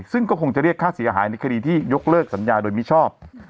ซึ่งก็คงจะเรียกค่าเสียหายในคดีที่ยกเลิกสัญญาโดยมิชอบ